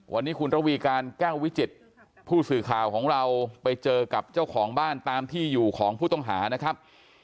วันนี้คุณระวีการแก้ววิจิตผู้สื่อข่าวของเราไปเจอกับเจ้าของบ้านตามที่อยู่ของผู้ต้องหานะครับ